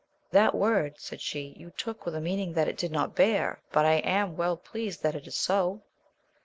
That word, said she, you took with a meaniiig that it did not bear, but / am well pleased that it is so.